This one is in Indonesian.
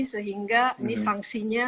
sehingga ini sanksinya